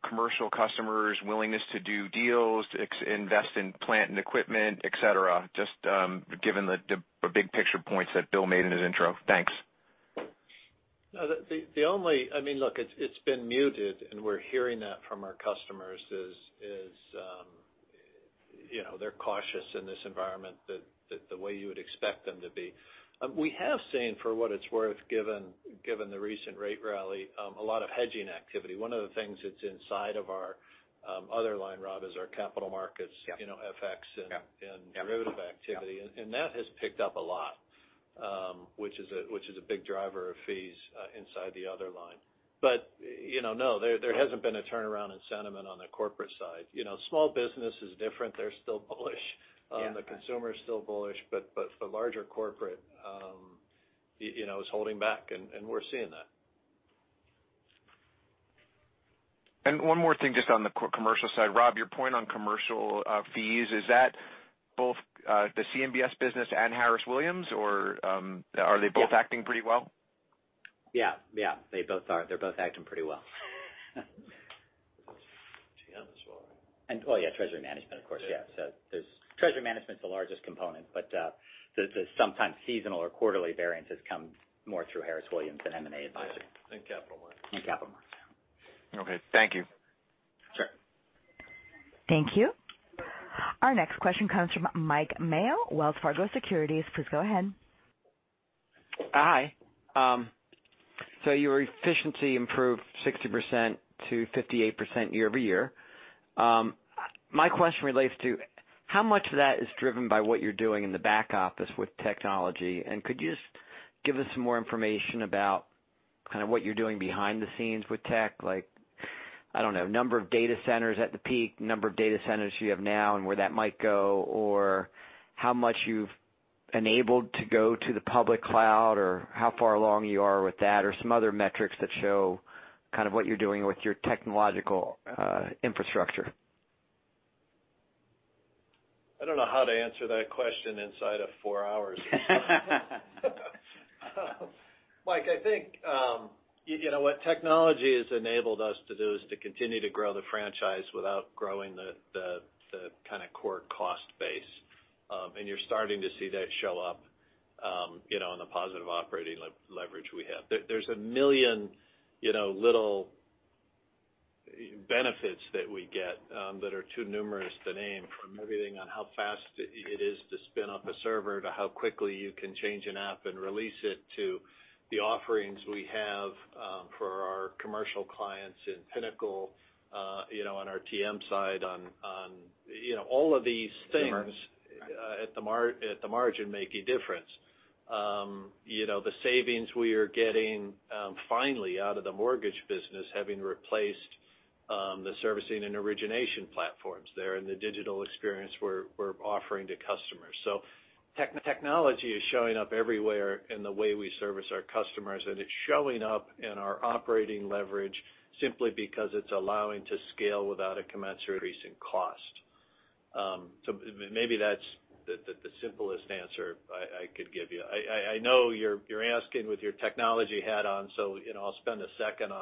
[SPEAKER 11] commercial customers' willingness to do deals, invest in plant and equipment, et cetera, just given the big picture points that Bill made in his intro? Thanks.
[SPEAKER 3] Look, it's been muted, and we're hearing that from our customers is they're cautious in this environment the way you would expect them to be. We have seen, for what it's worth, given the recent rate rally, a lot of hedging activity. One of the things that's inside of our other line, Rob, is our Capital Markets, FX and derivative activity. That has picked up a lot, which is a big driver of fees inside the other line. No, there hasn't been a turnaround in sentiment on the corporate side. Small business is different. They're still bullish.
[SPEAKER 11] Yeah.
[SPEAKER 3] The consumer is still bullish, but the larger corporate is holding back, and we're seeing that.
[SPEAKER 11] One more thing just on the commercial side. Rob, your point on commercial fees, is that both the CMBS business and Harris Williams, or are they both acting pretty well?
[SPEAKER 4] Yeah. They both are. They're both acting pretty well.
[SPEAKER 3] TM as well, right?
[SPEAKER 4] Well, yeah, Treasury Management, of course. Yeah. Treasury Management's the largest component, but the sometimes seasonal or quarterly variances come more through Harris Williams than M&A advising.
[SPEAKER 3] Capital Markets.
[SPEAKER 4] Capital Markets.
[SPEAKER 11] Okay. Thank you.
[SPEAKER 4] Sure.
[SPEAKER 1] Thank you. Our next question comes from Mike Mayo, Wells Fargo Securities. Please go ahead.
[SPEAKER 12] Hi. Your efficiency improved 60% to 58% year-over-year. My question relates to how much of that is driven by what you're doing in the back office with technology? Could you just give us some more information about kind of what you're doing behind the scenes with tech? Like, I don't know, number of data centers at the peak, number of data centers you have now, and where that might go, or how much you've enabled to go to the public cloud, or how far along you are with that or some other metrics that show kind of what you're doing with your technological infrastructure.
[SPEAKER 3] I don't know how to answer that question inside of four hours. Mike, I think what technology has enabled us to do is to continue to grow the franchise without growing the kind of core cost base. You're starting to see that show up in the positive operating leverage we have. There's a million little benefits that we get that are too numerous to name, from everything on how fast it is to spin up a server, to how quickly you can change an app and release it, to the offerings we have for our commercial clients in PINACLE, on our TM side, on all of these things.
[SPEAKER 4] The margin.
[SPEAKER 3] at the margin make a difference. The savings we are getting finally out of the mortgage business, having replaced the servicing and origination platforms there and the digital experience we're offering to customers. Technology is showing up everywhere in the way we service our customers, and it's showing up in our operating leverage simply because it's allowing to scale without a commensurate increase in cost. Maybe that's the simplest answer I could give you. I know you're asking with your technology hat on, so I'll spend a second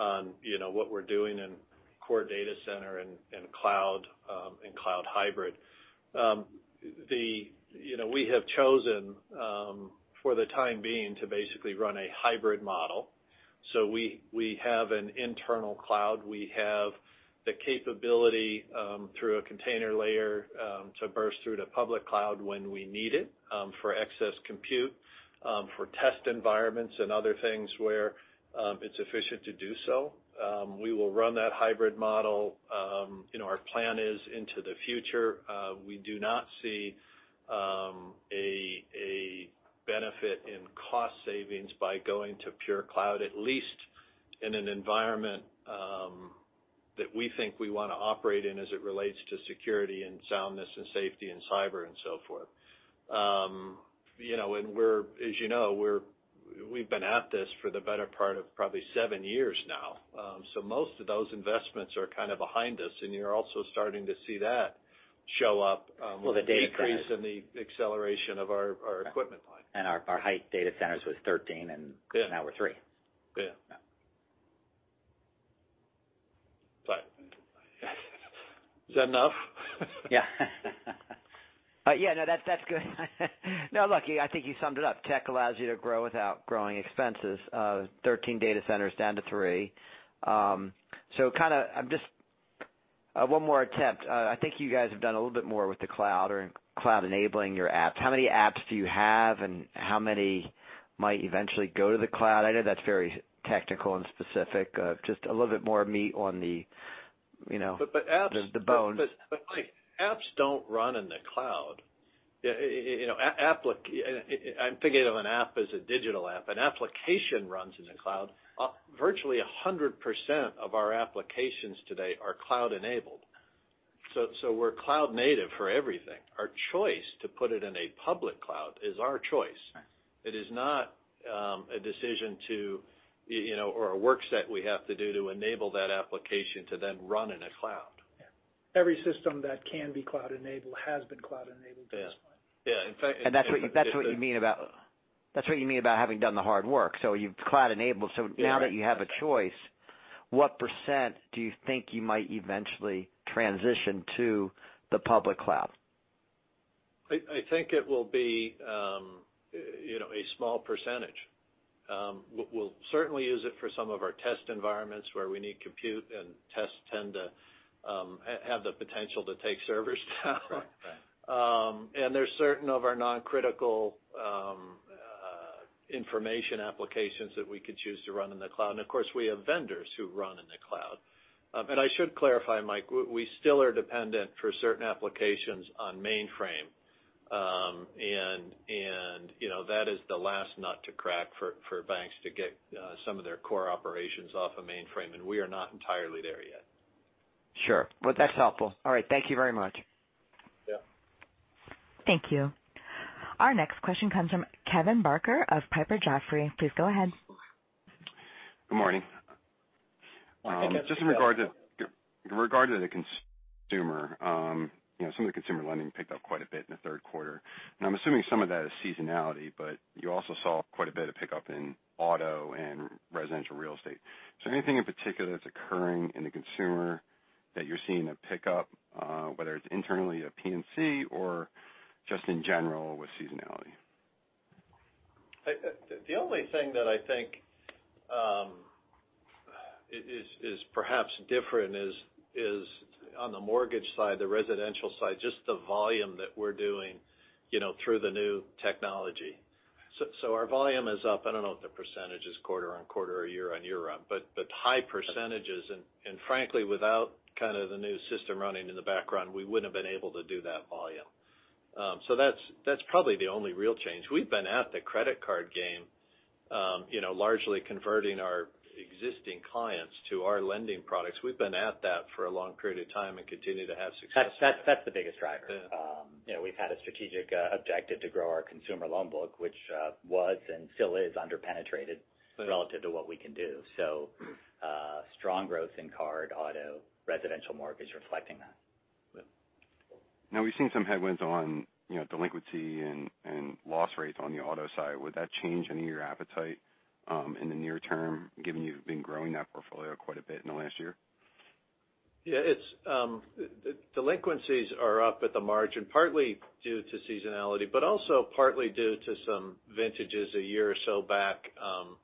[SPEAKER 3] on what we're doing in core data center and cloud hybrid. We have chosen, for the time being, to basically run a hybrid model. We have an internal cloud. We have the capability through a container layer to burst through to public cloud when we need it for excess compute, for test environments and other things where it's efficient to do so. We will run that hybrid model. Our plan is into the future. We do not see a benefit in cost savings by going to pure cloud, at least in an environment that we think we want to operate in as it relates to security and soundness and safety and cyber and so forth. As you know, we've been at this for the better part of probably seven years now. Most of those investments are kind of behind us, and you're also starting to see that show up.
[SPEAKER 12] Well, the data centers.
[SPEAKER 3] with a decrease in the acceleration of our equipment line.
[SPEAKER 12] Our height data centers was 13, and now we're three.
[SPEAKER 3] Yeah.
[SPEAKER 12] Yeah.
[SPEAKER 3] Is that enough?
[SPEAKER 12] Yeah. Yeah, no, that's good. No, look, I think you summed it up. Tech allows you to grow without growing expenses. 13 data centers down to three. One more attempt. I think you guys have done a little bit more with the cloud or cloud-enabling your apps. How many apps do you have, and how many might eventually go to the cloud? I know that's very technical and specific. Just a little bit more meat on the bone.
[SPEAKER 3] Mike, apps don't run in the cloud. I'm thinking of an app as a digital app. An application runs in the cloud. Virtually 100% of our applications today are cloud enabled. We're cloud native for everything. Our choice to put it in a public cloud is our choice.
[SPEAKER 12] Right.
[SPEAKER 3] It is not a decision or a work set we have to do to enable that application to then run in a cloud.
[SPEAKER 12] Yeah.
[SPEAKER 2] Every system that can be cloud enabled has been cloud enabled at this point.
[SPEAKER 3] Yeah.
[SPEAKER 12] That's what you mean about having done the hard work. You've cloud enabled. Now that you have a choice, what % do you think you might eventually transition to the public cloud?
[SPEAKER 3] I think it will be a small %. We'll certainly use it for some of our test environments where we need compute. Tests tend to have the potential to take servers down.
[SPEAKER 12] Correct. Yeah.
[SPEAKER 3] There's certain of our non-critical information applications that we could choose to run in the cloud. Of course, we have vendors who run in the cloud. I should clarify, Mike, we still are dependent for certain applications on mainframe. That is the last nut to crack for banks to get some of their core operations off a mainframe. We are not entirely there yet.
[SPEAKER 12] Sure. Well, that's helpful. All right. Thank you very much.
[SPEAKER 3] Yeah.
[SPEAKER 1] Thank you. Our next question comes from Kevin Barker of Piper Jaffray. Please go ahead.
[SPEAKER 13] Good morning.
[SPEAKER 3] I think that's Bill.
[SPEAKER 13] Just in regard to the consumer, some of the consumer lending picked up quite a bit in the third quarter. I'm assuming some of that is seasonality, but you also saw quite a bit of pickup in auto and residential real estate. Is there anything in particular that's occurring in the consumer that you're seeing a pickup, whether it's internally at PNC or just in general with seasonality?
[SPEAKER 3] The only thing that I think is perhaps different is on the mortgage side, the residential side, just the volume that we're doing through the new technology. Our volume is up. I don't know what the percentage is quarter-over-quarter or year-over-year, but high percentages, and frankly, without kind of the new system running in the background, we wouldn't have been able to do that volume. That's probably the only real change. We've been at the credit card game, largely converting our existing clients to our lending products. We've been at that for a long period of time and continue to have success.
[SPEAKER 14] That's the biggest driver.
[SPEAKER 3] Yeah.
[SPEAKER 14] We've had a strategic objective to grow our consumer loan book, which was and still is under-penetrated relative to what we can do. Strong growth in card, auto, residential mortgage reflecting that.
[SPEAKER 3] Good.
[SPEAKER 13] We've seen some headwinds on delinquency and loss rates on the auto side. Would that change any of your appetite in the near term, given you've been growing that portfolio quite a bit in the last year?
[SPEAKER 3] Yeah. Delinquencies are up at the margin, partly due to seasonality, but also partly due to some vintages a year or so back,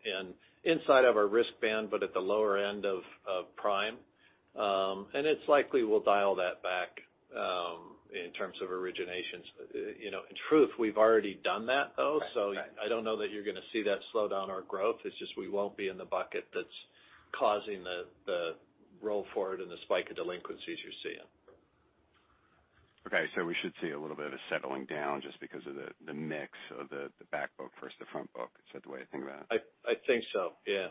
[SPEAKER 3] and inside of our risk band, but at the lower end of prime. It's likely we'll dial that back in terms of originations. In truth, we've already done that, though.
[SPEAKER 14] Right. I don't know that you're going to see that slow down our growth. It's just we won't be in the bucket that's causing the roll forward and the spike of delinquencies you're seeing.
[SPEAKER 13] Okay, we should see a little bit of a settling down just because of the mix of the back book versus the front book. Is that the way to think about it?
[SPEAKER 3] I think so, yeah.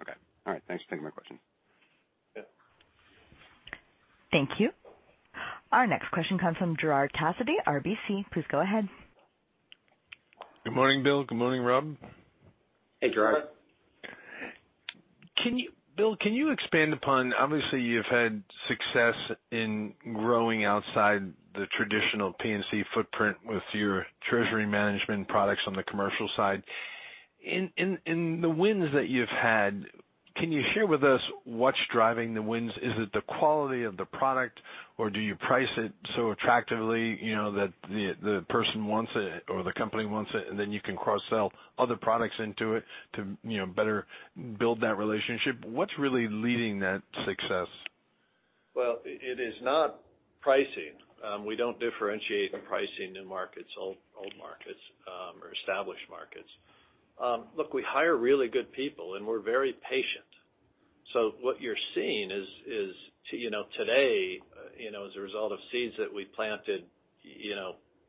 [SPEAKER 13] Okay. All right. Thanks for taking my question.
[SPEAKER 3] Yeah.
[SPEAKER 1] Thank you. Our next question comes from Gerard Cassidy, RBC. Please go ahead.
[SPEAKER 15] Good morning, Bill. Good morning, Rob.
[SPEAKER 4] Hey, Gerard.
[SPEAKER 15] Bill, can you expand upon, obviously, you've had success in growing outside the traditional PNC footprint with your Treasury Management products on the commercial side. In the wins that you've had, can you share with us what's driving the wins? Is it the quality of the product, or do you price it so attractively that the person wants it or the company wants it, and then you can cross-sell other products into it to better build that relationship? What's really leading that success?
[SPEAKER 3] Well, it is not pricing. We don't differentiate pricing in markets, old markets, or established markets. Look, we hire really good people, and we're very patient. What you're seeing is today, as a result of seeds that we planted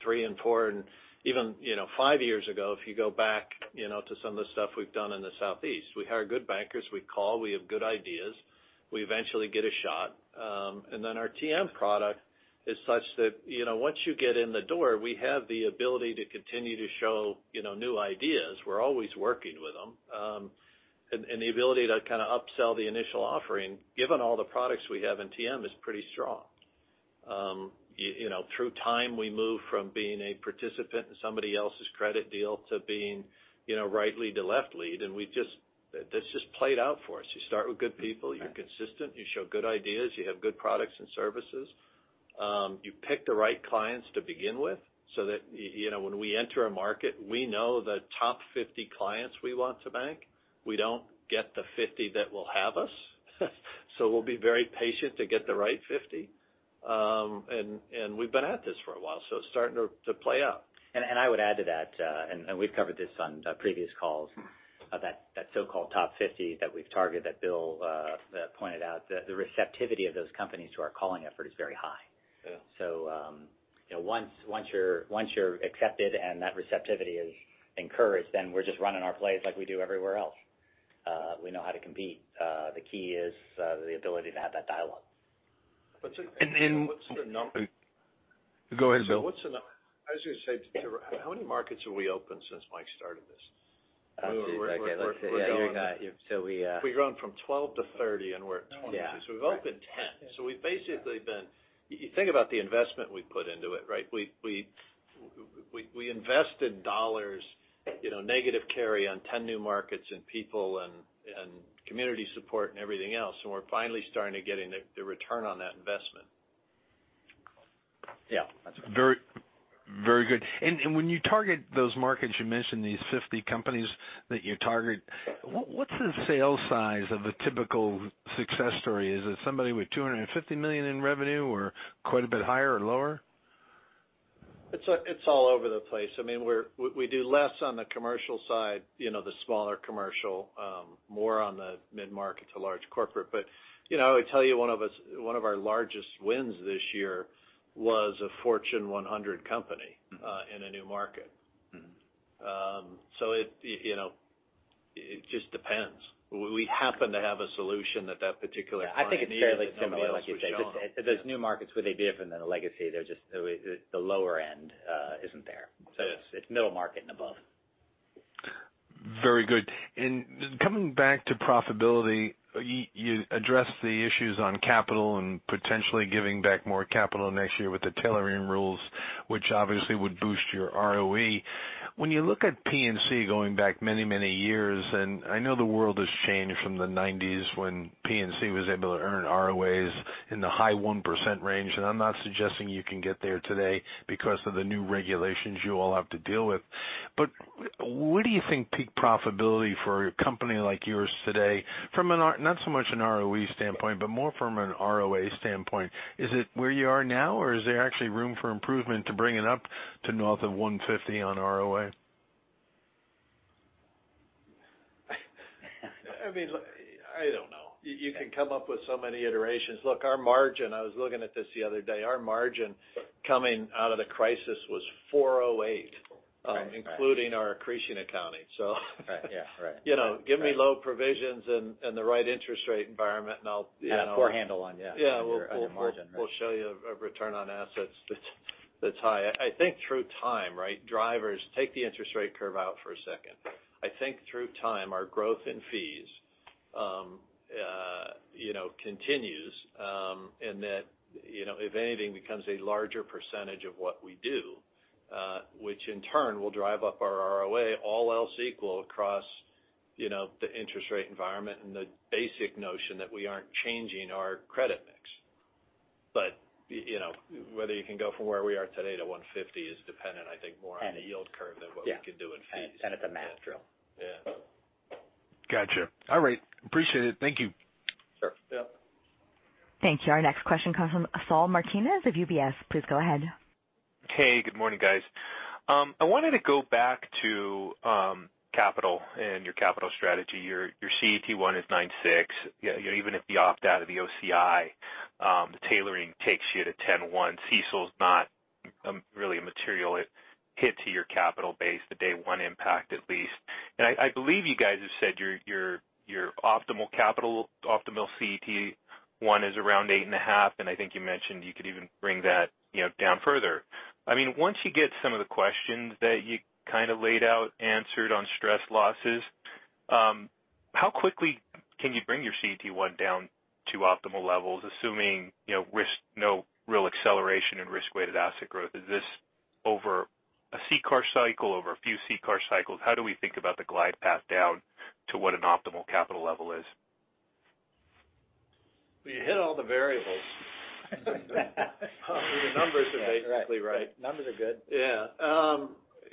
[SPEAKER 3] three and four, and even five years ago, if you go back to some of the stuff we've done in the Southeast. We hire good bankers. We call. We have good ideas. We eventually get a shot. Our TM product is such that once you get in the door, we have the ability to continue to show new ideas. We're always working with them. The ability to kind of upsell the initial offering, given all the products we have in TM, is pretty strong. Through time, we move from being a participant in somebody else's credit deal to being right lead to left lead, that's just played out for us. You start with good people. You're consistent. You show good ideas. You have good products and services. You pick the right clients to begin with so that when we enter a market, we know the top 50 clients we want to bank. We don't get the 50 that will have us. We'll be very patient to get the right 50. We've been at this for a while, it's starting to play out.
[SPEAKER 4] I would add to that, and we've covered this on previous calls, that so-called top 50 that we've targeted, that Bill pointed out, the receptivity of those companies to our calling effort is very high.
[SPEAKER 3] Yeah.
[SPEAKER 4] Once you're accepted and that receptivity is encouraged, then we're just running our plays like we do everywhere else. We know how to compete. The key is the ability to have that dialogue.
[SPEAKER 3] But to-
[SPEAKER 15] And-
[SPEAKER 3] What's the num-
[SPEAKER 15] Go ahead, Bill.
[SPEAKER 3] How many markets have we opened since Mike started this?
[SPEAKER 4] I'll do it again. Let's see. Yeah, you're not.
[SPEAKER 3] We've grown from 12 to 30, and we're at 26.
[SPEAKER 4] Yeah.
[SPEAKER 3] We've opened 10. You think about the investment we put into it, right? We invested $, negative carry on 10 new markets, and people and community support and everything else, and we're finally starting to get into the return on that investment.
[SPEAKER 4] Yeah. That's right.
[SPEAKER 15] Very good. When you target those markets, you mentioned these 50 companies that you target. What's the sales size of a typical success story? Is it somebody with $250 million in revenue or quite a bit higher or lower?
[SPEAKER 3] It's all over the place. We do less on the commercial side, the smaller commercial, more on the mid-market to large corporate. I would tell you one of our largest wins this year was a Fortune 100 company in a new market. It just depends. We happen to have a solution that that particular client needed that nobody else was selling.
[SPEAKER 4] Yeah, I think it's fairly similar, like you say. Those new markets where they differ than a legacy, they're just the lower end isn't there. It's middle market and above.
[SPEAKER 15] Very good. Coming back to profitability, you addressed the issues on capital and potentially giving back more capital next year with the tailoring rules, which obviously would boost your ROE. When you look at PNC going back many years, I know the world has changed from the 90s when PNC was able to earn ROAs in the high 1% range, I'm not suggesting you can get there today because of the new regulations you all have to deal with. What do you think peak profitability for a company like yours today, not so much an ROE standpoint, but more from an ROA standpoint? Is it where you are now, or is there actually room for improvement to bring it up to north of 150 on ROA?
[SPEAKER 3] I don't know. You can come up with so many iterations. Look, our margin, I was looking at this the other day. Our margin coming out of the crisis was 408-
[SPEAKER 4] Right.
[SPEAKER 3] including our accretion accounting.
[SPEAKER 4] Right.
[SPEAKER 3] Give me low provisions and the right interest rate environment, and I'll-
[SPEAKER 4] Have a poor handle on, yeah.
[SPEAKER 3] Yeah.
[SPEAKER 4] your margin. Right.
[SPEAKER 3] We'll show you a return on assets that's high. I think through time, right, drivers, take the interest rate curve out for a second. I think through time, our growth in fees continues, and that if anything, becomes a larger percentage of what we do, which in turn will drive up our ROA, all else equal across the interest rate environment and the basic notion that we aren't changing our credit mix. Whether you can go from where we are today to 150 is dependent, I think, more on the yield curve than what we can do in fees.
[SPEAKER 4] Yeah. It's a math drill.
[SPEAKER 3] Yeah.
[SPEAKER 15] Gotcha. All right. Appreciate it. Thank you.
[SPEAKER 3] Sure.
[SPEAKER 4] Yeah.
[SPEAKER 1] Thank you. Our next question comes from Saul Martinez of UBS. Please go ahead.
[SPEAKER 16] Hey, good morning, guys. I wanted to go back to capital and your capital strategy. Your CET1 is 96%. Even if you opt out of the OCI, the tailoring takes you to 10.1%. CECL's not really a material hit to your capital base, the day one impact, at least. I believe you guys have said your optimal capital, optimal CET1 is around 8.5%, and I think you mentioned you could even bring that down further. Once you get some of the questions that you kind of laid out answered on stress losses, how quickly can you bring your CET1 down to optimal levels, assuming no real acceleration in risk-weighted asset growth? Is this over a CCAR cycle, over a few CCAR cycles? How do we think about the glide path down to what an optimal capital level is?
[SPEAKER 3] Well, you hit all the variables. The numbers are basically right.
[SPEAKER 4] Yeah. Numbers are good.
[SPEAKER 3] Yeah.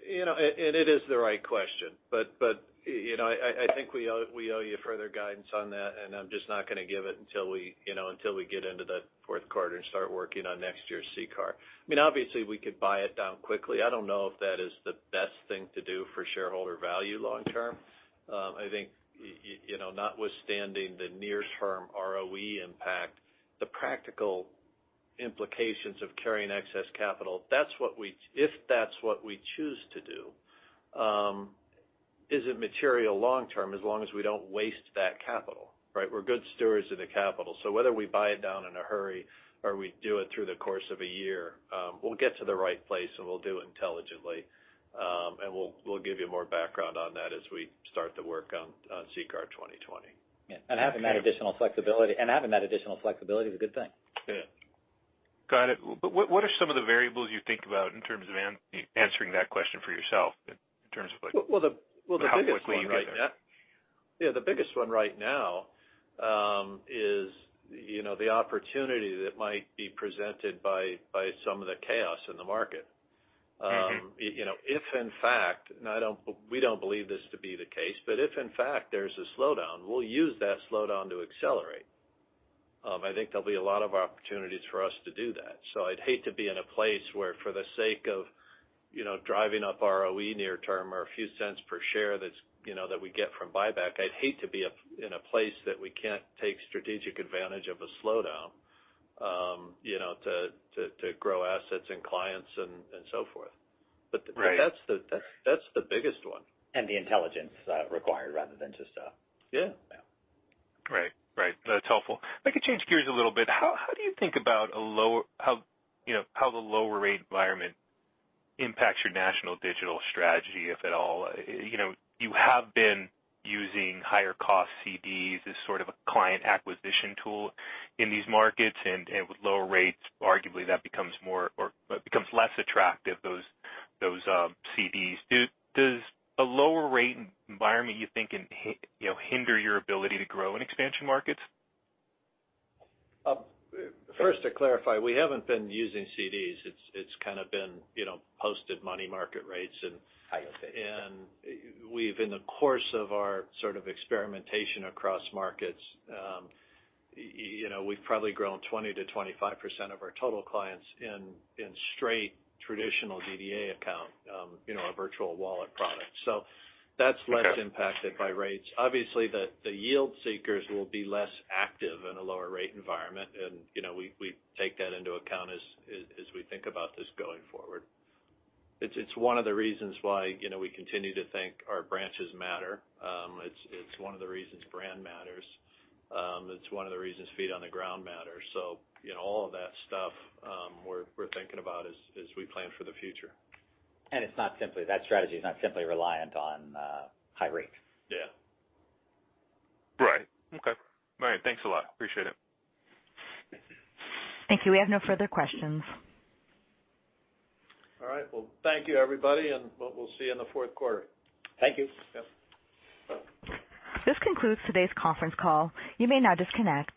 [SPEAKER 3] It is the right question, but I think we owe you further guidance on that, and I'm just not going to give it until we get into the fourth quarter and start working on next year's CCAR. Obviously, we could buy it down quickly. I don't know if that is the best thing to do for shareholder value long term. I think notwithstanding the near-term ROE impact, the practical implications of carrying excess capital. If that's what we choose to do, is it material long term, as long as we don't waste that capital, right? We're good stewards of the capital. Whether we buy it down in a hurry or we do it through the course of a year, we'll get to the right place and we'll do it intelligently. We'll give you more background on that as we start the work on CCAR 2020.
[SPEAKER 14] Yeah. Having that additional flexibility is a good thing.
[SPEAKER 3] Yeah.
[SPEAKER 16] Got it. What are some of the variables you think about in terms of answering that question for yourself?
[SPEAKER 3] Well, the biggest one right now.
[SPEAKER 16] How quickly you get there.
[SPEAKER 3] Yeah, the biggest one right now is the opportunity that might be presented by some of the chaos in the market. If in fact, and we don't believe this to be the case, but if in fact there's a slowdown, we'll use that slowdown to accelerate. I think there'll be a lot of opportunities for us to do that. I'd hate to be in a place where, for the sake of driving up ROE near term or a few cents per share that we get from buyback, I'd hate to be in a place that we can't take strategic advantage of a slowdown to grow assets and clients and so forth.
[SPEAKER 16] Right.
[SPEAKER 3] That's the biggest one.
[SPEAKER 14] The intelligence required rather than.
[SPEAKER 3] Yeah.
[SPEAKER 14] Yeah.
[SPEAKER 16] Right. That's helpful. If I could change gears a little bit, how do you think about how the lower rate environment impacts your national digital strategy, if at all? You have been using higher cost CDs as sort of a client acquisition tool in these markets, and with lower rates, arguably that becomes less attractive, those CDs. Does a lower rate environment, you think, hinder your ability to grow in expansion markets?
[SPEAKER 3] First, to clarify, we haven't been using CDs. It's kind of been posted money market rates.
[SPEAKER 14] I see.
[SPEAKER 3] We've, in the course of our sort of experimentation across markets, we've probably grown 20%-25% of our total clients in straight traditional DDA account, our Virtual Wallet product.
[SPEAKER 16] Okay
[SPEAKER 3] impacted by rates. Obviously, the yield seekers will be less active in a lower rate environment, and we take that into account as we think about this going forward. It's one of the reasons why we continue to think our branches matter. It's one of the reasons brand matters. It's one of the reasons feet on the ground matter. All of that stuff we're thinking about as we plan for the future.
[SPEAKER 14] That strategy is not simply reliant on high rates.
[SPEAKER 3] Yeah.
[SPEAKER 16] Right. Okay. All right. Thanks a lot. Appreciate it.
[SPEAKER 1] Thank you. We have no further questions.
[SPEAKER 3] All right. Well, thank you everybody, and we'll see you in the fourth quarter.
[SPEAKER 14] Thank you.
[SPEAKER 3] Yep.
[SPEAKER 1] This concludes today's conference call. You may now disconnect.